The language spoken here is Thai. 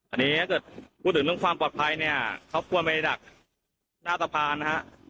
อันนี้ถ้าเกิดพูดถึงเรื่องความปลอดภัยเนี่ยเขาควรไปดักหน้าสะพานนะฮะ